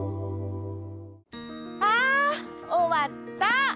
あおわった！